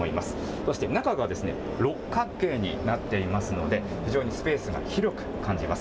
そして中が六角形になっていますので、非常にスペースが広く感じます。